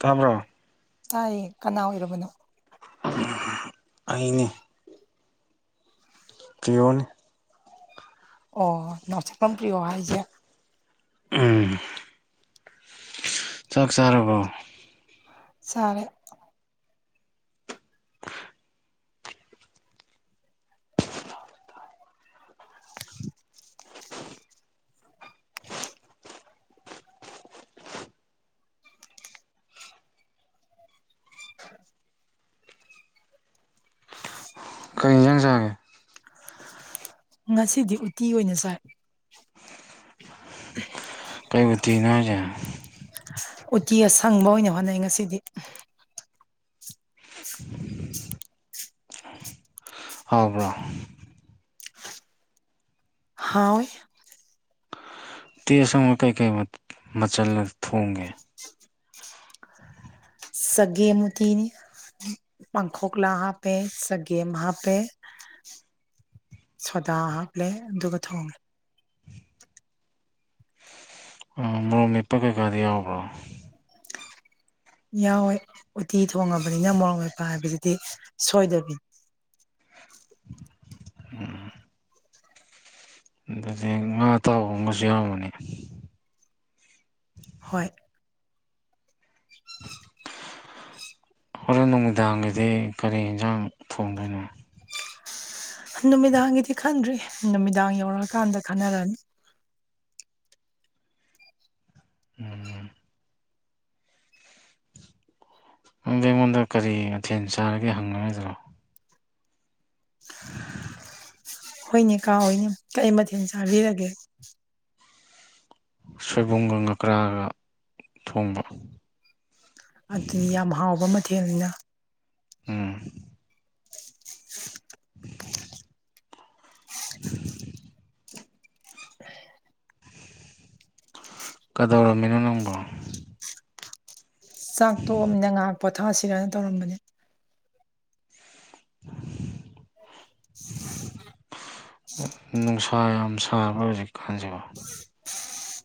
ꯀꯝꯕ꯭ꯔꯣ ꯇꯥꯏꯌꯦ ꯀꯅꯥ ꯑꯣꯏꯔꯕꯅꯣ ꯑꯅꯦ ꯄꯤꯌꯟ ꯑꯣ ꯅꯁꯤꯝ ꯄ꯭ꯔꯤꯌꯣ ꯍꯥꯏꯁꯦ ꯎꯝ ꯆꯥꯛ ꯆꯥꯔꯕꯣ [unintelligible] ꯁꯥꯔꯦ [unintelligible] [unintelligible] ꯀꯩ ꯏꯟꯖꯥꯡ ꯆꯥꯒꯦ ꯉꯁꯤꯗꯤ ꯎꯇꯤ ꯑꯣꯏꯅ ꯁꯥꯏ [unintelligible] ꯀꯩꯕꯨ ꯊꯤꯅꯣ ꯍꯥꯏꯁꯦ ꯎꯇꯤ ꯑꯁꯪꯕ ꯑꯣꯏꯅ ꯍꯣꯠꯅꯩ ꯉꯁꯤꯗꯤ [unintelligible] ꯍꯥꯏꯕ꯭ꯔꯥ ꯍꯥꯎ ꯇꯦꯁꯪꯕ ꯀꯩꯀꯩ ꯃꯆꯜ ꯊꯣꯡꯒꯦ ꯁꯒꯦꯃ ꯊꯤꯅꯤ ꯄꯥꯡꯈꯣꯛꯂꯥ ꯍꯥꯞꯄꯦ ꯆꯒꯦꯝ ꯍꯥꯞꯄꯦ ꯁꯣꯗꯥ ꯍꯥꯞꯂꯦ ꯑꯗꯨꯒ ꯊꯣꯡꯉꯦ ꯃꯣꯔꯣ ꯅꯤꯠꯄ ꯀꯩꯀꯥꯗꯤ ꯌꯥꯎꯕ꯭ꯔꯣ ꯌꯥꯎꯋꯦ ꯎꯇꯤ ꯊꯣꯡꯉꯕꯅꯤꯅ ꯃꯔꯣꯛ ꯃꯄ ꯍꯥꯏꯗꯨꯗꯤ ꯁꯣꯏꯗꯕꯤꯅꯤ ꯑꯗꯨꯗꯤ ꯉꯥ ꯑ ꯇꯥꯕꯒꯁꯨ ꯌꯥꯝꯎꯕꯅꯤ ꯍꯣꯏ ꯍꯣꯔꯦꯟ ꯅꯨꯃꯤꯗꯥꯡꯒꯤꯗꯤ ꯀꯔꯤ ꯌꯦꯟꯁꯥꯡ ꯊꯣꯡꯗꯣꯏꯅꯣ ꯅꯨꯃꯤꯗꯥꯡꯒꯤꯗꯤ ꯈꯟꯗ꯭ꯔꯤ ꯅꯨꯃꯤꯗꯥꯡ ꯌꯧꯔꯛꯑꯀꯥꯟꯗ ꯈꯟꯅꯔꯅꯤ ꯎꯝ ꯅꯪꯗ ꯑꯩꯉꯣꯟꯗ ꯀꯔꯤ ꯃꯊꯦꯜ ꯆꯥꯔꯒꯦ ꯍꯪꯅꯔꯣꯏꯗ꯭ꯔꯣ [unintelligible] ꯍꯣꯏꯅꯦ ꯀꯥ ꯍꯣꯏꯅꯦ ꯀꯩ ꯃꯊꯦꯜ ꯆꯥꯕꯤꯔꯒꯦ ꯁꯣꯏꯕꯨꯝꯒ ꯉꯀ꯭ꯔꯥꯒ ꯊꯣꯡꯕ ꯑꯗꯨꯗꯤ ꯌꯥꯝ ꯍꯥꯎꯕ ꯃꯊꯦꯜꯅꯤꯅ ꯎꯝ [unintelligible] ꯀꯗꯧꯔꯝꯃꯤꯅꯣ ꯅꯪꯕꯣ ꯆꯥꯛ ꯇꯣꯛꯑꯃꯤꯅ ꯉꯥꯏꯍꯥꯛ ꯄꯣꯊꯥꯁꯤꯔꯅ ꯇꯧꯔꯝꯕꯅꯦ ꯅꯨꯡꯁꯥ ꯌꯥꯝ ꯁꯥꯔꯕ ꯍꯧꯖꯤꯛꯀꯥꯟꯁꯤꯕ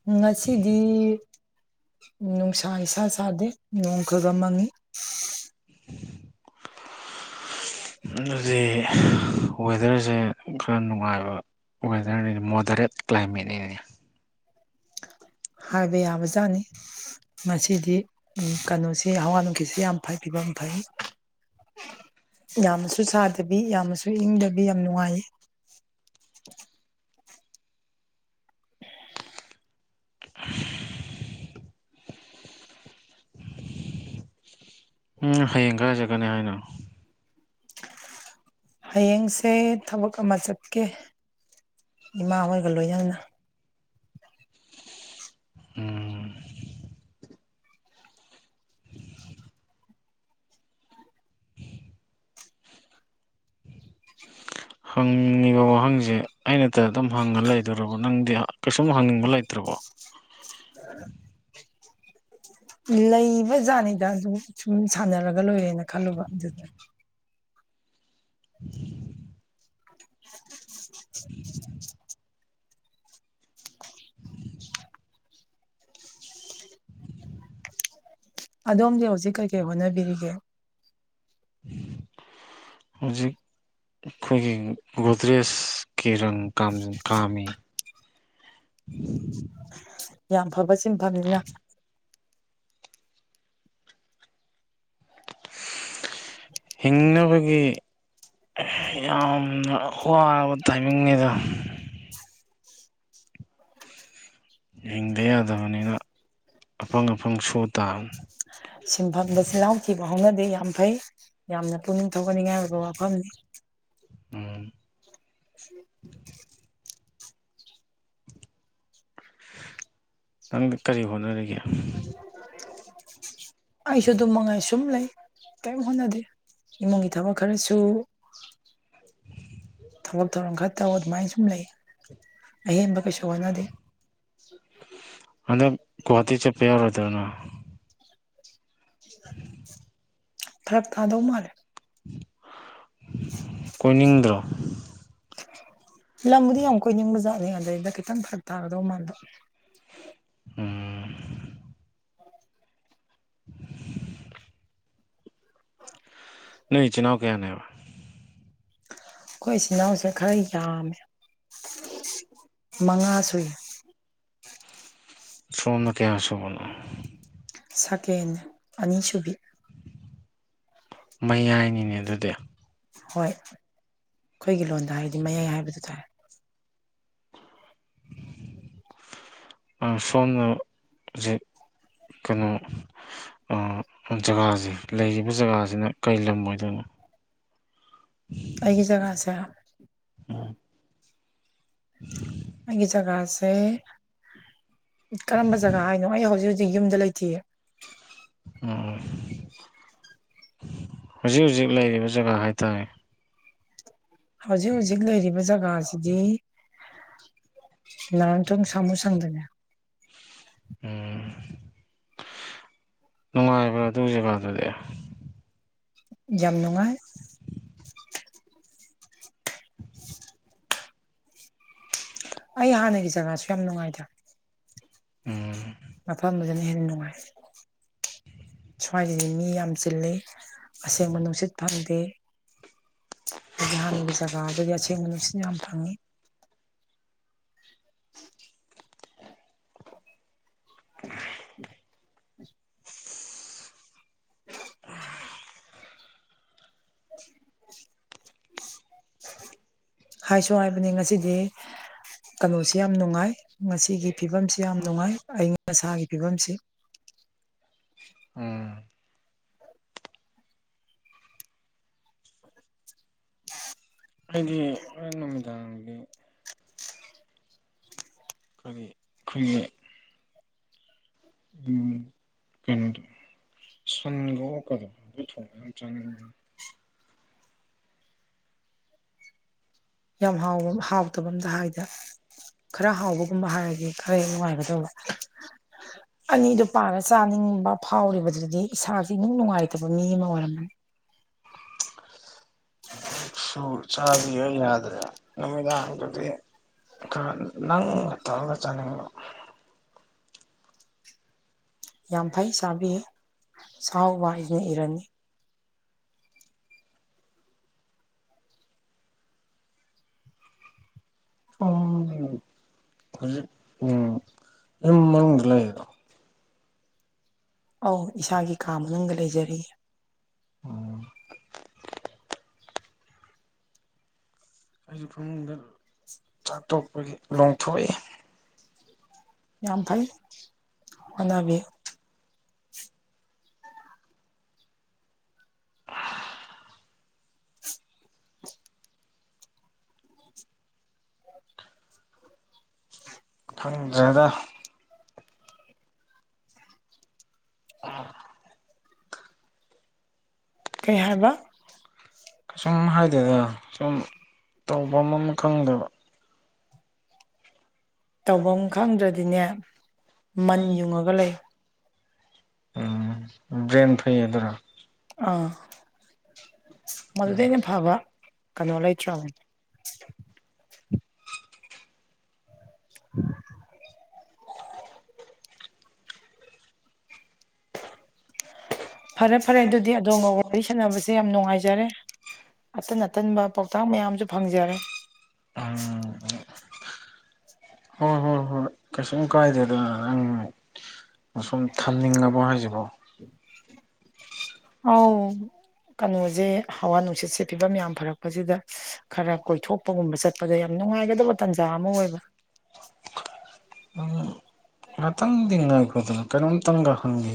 ꯎꯝ ꯉꯁꯤꯗꯤ ꯅꯨꯡꯁꯥ ꯏꯁꯥ ꯁꯥꯗꯦ ꯅꯣꯡ ꯈꯕ ꯃꯪꯉꯤ ꯑꯗꯨꯗꯤ ꯋꯦꯗꯔꯁꯦ ꯈꯔ ꯅꯨꯡꯉꯥꯏꯕ ꯋꯦꯗꯔꯅꯤꯅꯤ ꯃꯣꯗꯔꯦꯠ ꯀ꯭ꯂꯥꯏꯃꯦꯠꯅꯤꯅꯤ ꯍꯥꯏꯕ ꯌꯥꯕ ꯖꯥꯠꯅꯤ ꯃꯁꯤꯗꯤ ꯀꯩꯅꯣꯁꯤ ꯍꯋꯥ ꯅꯨꯡꯈꯠꯁꯤ ꯌꯥꯝ ꯐꯩ ꯐꯤꯕꯝ ꯐꯩ ꯌꯥꯝꯅꯁꯨ ꯁꯥꯗꯕꯤ ꯌꯥꯝꯅꯁꯨ ꯏꯪꯗꯕꯤ ꯌꯥꯝ ꯅꯨꯡꯉꯥꯏ ꯎꯝ ꯍꯌꯦꯡ ꯈꯔ ꯆꯠꯀꯅꯤ ꯍꯥꯏꯅ ꯍꯌꯦꯡꯁꯦ ꯊꯕꯛ ꯑꯃ ꯆꯠꯀꯦ ꯏꯃꯥ ꯍꯣꯏꯒ ꯂꯣꯏꯅꯅ ꯎꯝ ꯍꯪꯉꯤꯕ ꯋꯥꯍꯪꯁꯦ ꯑꯩꯅꯇ ꯑꯗꯨꯝ ꯍꯪꯉ ꯂꯩꯗꯣꯏꯔꯕ ꯅꯪꯗꯤ ꯀꯩꯁꯨꯝ ꯍꯪꯅꯤꯡꯕ ꯂꯩꯇ꯭ꯔꯕꯣ ꯑ ꯂꯩꯕꯖꯅꯤ ꯗ ꯑꯗꯨꯝ ꯁꯨꯝ ꯁꯥꯟꯅꯔꯒ ꯂꯣꯏꯔꯦꯅ ꯈꯜꯂꯨꯕ ꯑꯗꯨꯗ [unintelligible] [unintelligible] ꯎꯝ ꯑꯗꯣꯝꯗꯤ ꯍꯧꯖꯤꯛ ꯀꯩꯀꯩ ꯍꯣꯠꯅꯕꯤꯔꯤꯒꯦ ꯍꯧꯖꯤꯛ ꯑꯩꯈꯣꯏꯒꯤ ꯒꯣꯗ꯭ꯔꯦꯖ ꯀꯤꯔꯪ ꯀꯥꯃꯤ [unintelligible] ꯌꯥꯝ ꯐꯕ ꯁꯤꯟꯐꯝꯅꯤꯅ ꯍꯤꯡꯅꯕꯒꯤ ꯑ ꯍ [unintelligible] ꯇꯥꯏꯃꯤꯡꯗ ꯍꯤꯡꯗ ꯌꯥꯗꯕꯅꯤꯅ ꯑꯐꯪ ꯑꯐꯪ ꯁꯣ ꯇꯥ ꯁꯤꯟꯐꯝꯗ ꯆꯜꯍꯥꯎ ꯊꯤꯕ ꯍꯧꯅꯗꯦ ꯌꯥꯝ ꯐꯩ ꯌꯥꯝꯅ ꯄꯨꯛꯅꯤꯡ ꯊꯧꯒꯠꯅꯤꯡꯉꯥꯏ ꯑꯣꯏꯕ ꯋꯥꯐꯝꯅꯤ ꯎꯝ ꯎꯝ ꯅꯪꯗ ꯀꯔꯤ ꯍꯣꯠꯅꯔꯤꯒꯦ [unintelligible] ꯑꯩꯁꯨ ꯑꯗꯨꯝ ꯃꯉꯥꯏ ꯁꯨꯝ ꯂꯩ ꯀꯔꯤꯝ ꯍꯣꯠꯅꯗꯦ ꯏꯃꯨꯡꯒꯤ ꯊꯕꯛ ꯈꯔꯁꯨ ꯊꯕꯛ ꯊꯧꯔꯝ ꯈꯔ ꯇꯧꯕ ꯑꯗꯨꯃꯥꯏꯅ ꯁꯨꯝ ꯂꯩ ꯑꯍꯦꯟꯕ ꯀꯩꯁꯨ ꯍꯣꯠꯅꯗꯦ ꯑꯗꯣ ꯀꯨꯍꯇꯤ ꯆꯄꯦꯌꯥꯔ ꯑꯗꯨꯅ ꯐꯔꯞ ꯊꯥꯗꯧ ꯃꯥꯜꯂꯦ ꯀꯣꯏꯅꯤꯡꯗ꯭ꯔ ꯂꯪꯒꯗ ꯑꯃ ꯀ ꯅꯤꯡꯅꯨꯡ ꯃꯖꯥ ꯑꯗꯨꯗꯩꯗ ꯈꯤꯇꯪ ꯐꯔꯛ ꯇꯥꯔꯗꯧ ꯃꯥꯟꯥꯟꯕ ꯎꯝ ꯅ ꯏ ꯆꯤꯟꯅꯥꯎ ꯀꯌꯥꯅꯦꯕ ꯑꯩꯈꯣꯏ ꯏꯆꯜ ꯏꯅꯥꯎꯁꯦ ꯈꯔ ꯌꯥꯝꯃꯦ ꯃꯉꯥ ꯁꯨꯏ ꯁꯃꯝꯅ ꯀꯌꯥ ꯁꯨꯃꯣ ꯁꯀꯦꯟ ꯑꯅꯤꯁꯨꯨꯕꯤ ꯃꯌꯥꯏꯅꯤꯅꯦ ꯑꯗꯨꯗꯤ ꯍꯣꯏ ꯑꯩꯈꯣꯏꯒꯤ ꯂꯣꯟꯗ ꯍꯥꯏꯔꯗꯤ ꯃꯌꯥꯏ ꯍꯥꯏꯕꯗꯨ ꯇꯥꯔꯦ ꯑ ꯁꯣꯅ ꯍꯧꯖꯤꯛ ꯀꯩꯅꯣ ꯖꯒꯥꯁꯦ ꯂꯩꯔꯤꯕ ꯖꯒꯥꯁꯤꯅ ꯀꯔꯤ ꯂꯝ ꯑꯣꯏꯗꯣꯏꯅꯣ ꯑꯩꯒꯤ ꯖꯒꯥꯁꯦ ꯎꯝ ꯎꯝ ꯑꯩꯒꯤ ꯖꯒꯥꯁꯦ ꯀꯔꯝꯕ ꯖꯒꯥ ꯍꯥꯏꯅꯣ ꯑꯩ ꯍꯧꯖꯤꯛ ꯍꯧꯖꯤꯛ ꯌꯨꯝꯗ ꯂꯩꯇꯌꯦ ꯑꯣ ꯍꯧꯖꯤꯛ ꯍꯧꯖꯤꯛ ꯂꯩꯔꯤꯕ ꯖꯒꯥ ꯍꯥꯏꯇꯥꯔꯦ ꯍꯧꯖꯤꯛ ꯍꯧꯖꯤꯛ ꯂꯩꯔꯤꯕ ꯖꯒꯥ ꯉꯥꯁꯤꯗꯤ ꯅꯔꯟꯊꯪ ꯁꯥꯃꯨ ꯁꯪꯗꯅꯦ ꯎꯝ ꯅꯨꯡꯉꯥꯏꯕ꯭ꯔ ꯑꯗꯨ ꯖꯒꯥꯗ ꯑꯗꯦ ꯝ ꯅꯨꯡꯉꯥꯏ [unintelligible] ꯑꯩ ꯍꯥꯟꯅꯒꯤ ꯖꯒꯥꯁꯨ ꯌꯥꯝ ꯅꯨꯡꯉꯥꯏꯇ꯭ꯔꯦ ꯎꯝ ꯃꯐꯝꯗꯅ ꯍꯦꯟꯅ ꯅꯨꯡꯉꯥꯏ ꯁ꯭ꯋꯥꯏꯁꯤꯗꯤ ꯃꯤ ꯌꯥꯝ ꯆꯤꯜꯂꯤ ꯑꯁꯦꯡꯕ ꯅꯨꯡꯁꯤꯠ ꯐꯪꯗꯦ ꯌꯥꯍꯅ ꯆꯒ ꯑꯗꯨ ꯦꯡꯂꯤꯁꯤꯅ ꯌꯥꯝꯝ ꯊꯪꯉꯤ ꯎꯝ [unintelligible] ꯍꯥꯏꯁꯨ ꯍꯥꯏꯕꯅꯤ ꯉꯁꯤꯗꯤ ꯀꯩꯅꯣꯁꯤ ꯌꯥꯝ ꯅꯨꯡꯉꯥꯏ ꯉꯁꯤꯒꯤ ꯐꯤꯕꯝꯁꯤ ꯌꯥꯝ ꯅꯨꯡꯉꯥꯏ ꯑꯏꯪ ꯑꯁꯥꯒꯤ ꯐꯤꯕꯝꯁꯤ ꯎꯝ ꯑꯩꯗꯤ ꯅꯨꯃꯤꯗꯥꯗꯤ ꯀꯔꯤ ꯑꯩꯈꯨꯏꯒꯤ ꯑꯣ ꯀꯗꯣ ꯑꯗꯨ ꯊꯣꯡ ꯌꯥꯝ ꯆꯪꯉ [inaudible] [unintelligible] ꯌꯥꯝ ꯍꯥꯎꯕ ꯍꯥꯎꯇꯕ ꯑꯝꯇ ꯍꯥꯏꯗ ꯈꯔ ꯍꯥꯎꯕꯒꯨꯝꯕ ꯍꯥꯏꯔꯗꯤ ꯈꯔ ꯍ ꯅꯨꯡꯉꯥꯏꯒꯗꯧꯕ ꯑꯅꯤꯗꯨꯣ ꯄꯥꯅ ꯆꯥꯅꯤꯡꯕ ꯐꯥꯎꯔꯤꯕꯗꯨꯗꯤ ꯏꯁꯥꯥꯁ ꯏꯅꯨꯡ ꯅꯨꯡꯉꯥꯏꯇꯕ ꯃꯤ ꯑꯃ ꯑꯣꯏꯔꯝꯕꯅꯤ ꯁꯨ ꯆꯥꯕꯤꯌ ꯌꯥꯗ꯭ꯔꯦ ꯅꯨꯃꯤꯗꯥꯪꯗꯗꯤ ꯅꯪ ꯅꯥ ꯇꯧꯔꯒ ꯆꯅꯤꯡꯕ ꯌꯥꯝ ꯐꯩ ꯆꯥꯕꯤꯌꯨ ꯆꯥꯎꯥꯎꯕ ꯍꯥꯏꯅ ꯏꯔꯅꯤ ꯑꯣ ꯎꯝ ꯅꯪ ꯃꯅꯨꯡꯗ ꯂꯩꯔꯤ ꯅꯇꯔꯣ ꯑꯧ ꯏꯁꯥꯒꯤ ꯀꯥ ꯃꯅꯨꯡꯗ ꯂꯩꯖꯔꯤ ꯎꯝ ꯑꯩꯁꯨ ꯈꯨꯡꯪꯗ ꯆꯥꯛ ꯇꯣꯛꯄꯒꯤ ꯂꯣꯡꯊꯣꯛꯏ ꯌꯥꯝ ꯐꯩ ꯍꯣꯠꯅꯕꯤꯎ [inaudible] [unintelligible] ꯈꯪꯗ꯭ꯔꯦꯗ ꯑꯥ ꯀꯩ ꯍꯥꯏꯕ ꯀꯩꯁꯨꯝ ꯍꯥꯏꯗꯦꯗ ꯁꯨꯝ ꯇꯧꯕꯝ ꯑꯃ ꯈꯪꯗꯦꯕ ꯇꯧꯐꯝ ꯈꯪꯗ꯭ꯔꯗꯤꯅꯦ ꯃꯟ ꯌꯨꯡꯉꯒ ꯂꯩꯎ ꯎꯝ ꯕ꯭ꯔꯦꯟ ꯐꯩꯌꯦ ꯑꯗꯨꯔꯣ ꯃꯗꯨꯗꯅꯦ ꯐꯥꯕ ꯀꯩꯅꯣ ꯂꯩꯇꯔꯝ ꯎꯝ [inaudible] [unintelligible] ꯐꯔꯦ ꯐꯔꯦ ꯑꯗꯨꯗꯤ ꯑꯗꯣꯝꯒ ꯋꯥꯔꯤ ꯁꯥꯟꯅꯕꯁꯦ ꯌꯥꯝ ꯅꯨꯡꯉꯥꯏꯖꯔꯦ ꯑꯇꯟ ꯑꯇꯟꯕ ꯄꯥꯎꯇꯥꯛ ꯃꯌꯥꯝꯁꯨ ꯐꯪꯖꯔꯦ [inaudible] ꯎꯝ [unintelligible] ꯍꯣꯏ ꯍꯣꯏ ꯍꯣꯏ꯫ ꯀꯩꯁꯨꯝ ꯀꯥꯏꯗꯗ ꯅꯪ ꯑꯁꯨꯝ ꯊꯝꯅꯤꯡꯉꯕ ꯍꯥꯏꯁꯤꯕꯣ ꯑꯥꯎ ꯀꯩꯅꯣꯁꯦ ꯍꯋꯥ ꯅꯨꯡꯁꯤꯠꯁꯦ ꯐꯤꯕꯝ ꯌꯥꯝ ꯐꯔꯛꯄꯁꯤꯗ ꯈꯔ ꯀꯣꯏꯊꯣꯛꯄꯒꯨꯝꯕ ꯆꯠꯄꯗ ꯌꯥꯝ ꯅꯨꯡꯉꯥꯏꯒꯗꯕ ꯇꯥꯟꯖꯥ ꯑꯃ ꯑꯣꯏꯕ ꯎꯝ ꯉꯥꯛꯇꯪꯗꯤ ꯉꯥꯏꯈꯗꯨ ꯀꯩꯅꯣꯝꯇꯪꯒ [unintelligible]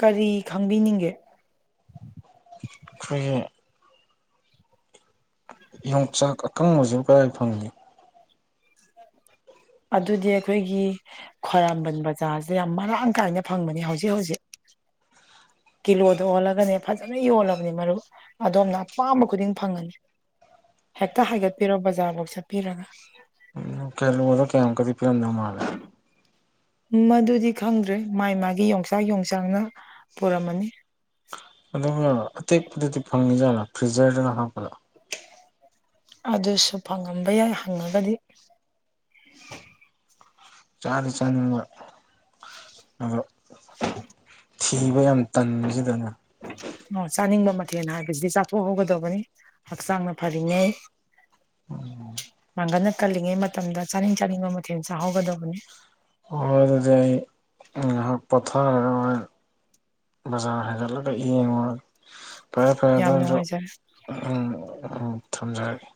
ꯀꯔꯤ ꯈꯪꯕꯤꯅꯤꯡꯒꯦ ꯑꯩꯈꯣꯏꯒꯤ ꯌꯣꯡꯆꯥꯛ ꯑꯀꯪꯕꯕꯁꯤ ꯀꯗꯥꯏ ꯐꯪꯏꯦ ꯑꯗꯨꯗꯤ ꯑꯩꯈꯣꯏꯒꯤ ꯈ꯭ꯋꯥꯏꯔꯝꯕꯟ ꯕꯖꯥꯔꯁꯦ ꯌꯥꯝ ꯃꯔꯥꯡ ꯀꯥꯏꯅ ꯐꯪꯕꯅꯤ ꯍꯧꯖꯤꯛ ꯍꯧꯖꯤꯛ ꯀꯤꯂꯣꯗ ꯑꯣꯜꯂꯒꯅꯦ ꯐꯖꯅ ꯌꯣꯜꯂꯕꯅꯤ ꯃꯔꯨꯞ ꯑꯗꯣꯝꯅ ꯑꯄꯥꯝꯕ ꯈꯨꯗꯤꯡ ꯐꯪꯉꯅꯤ ꯍꯦꯛꯇ ꯍꯥꯏꯒꯠꯄꯤꯔꯣ ꯕꯖꯥꯔꯐꯧ ꯆꯠꯄꯤꯔꯒ ꯀꯦꯂꯣ ꯃꯣ ꯀꯌꯥꯝ ꯀꯔꯤ ꯄꯤ ꯑꯗ ꯃꯥꯔ [unintelligible] ꯃꯗꯨꯗꯤ ꯈꯪꯗ꯭ꯔꯦ ꯃꯥꯥꯏ ꯃꯥꯒꯤ ꯌꯣꯡꯆꯥꯛ ꯌꯣꯡꯆꯥꯛꯅ ꯄꯨꯔꯝꯃꯅꯤ ꯑꯗꯨꯒ ꯑꯇꯦꯛꯄꯗꯗꯤ ꯐꯪꯉꯤ ꯖꯥꯠꯂꯥ ꯐ꯭ꯔꯤꯖꯔꯗꯨꯅ ꯍꯥꯞꯄꯠꯂꯛ ꯑꯗꯨꯁꯨ ꯐꯪꯉꯝꯕ ꯌꯥꯏ ꯍꯪꯉꯒꯗꯤ ꯆꯅꯤ ꯆꯅꯤ ꯑꯣ ꯇꯟꯕꯁꯤꯗꯅꯦ ꯑꯣ ꯆꯥꯅꯤꯡꯕ ꯃꯊꯦꯜ ꯍꯥꯏꯕꯁꯤꯗꯤ ꯆꯥꯊꯣꯛꯍꯧꯒꯗꯧꯕꯅꯤ ꯍꯛꯆꯥꯡꯅ ꯐꯔꯤꯉꯩ ꯃꯥꯡꯒꯟ ꯀꯜꯂꯤꯉꯩ ꯃꯇꯝꯗ ꯆꯥꯅꯤꯡ ꯆꯥꯅꯤꯡꯕ ꯃꯊꯦꯜ ꯆꯥꯍꯧꯒꯗꯕꯅꯦ ꯍꯣꯏ ꯑꯗꯨꯗꯤ ꯑꯩ ꯉꯥꯏꯍꯥꯛ ꯄꯣꯊꯥꯔꯒ ꯕꯖꯥꯔ ꯍꯦꯟꯒꯠꯂꯒ ꯌꯦꯡꯉꯣ ꯐꯔꯦ ꯐꯔꯦ ꯌꯥꯝ ꯑꯗꯨ ꯅꯨꯡꯉꯥꯏꯖꯔꯦ ꯎꯝ ꯊꯝꯖꯔꯤꯒꯦ